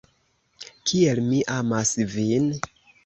Kiel mi amas vin!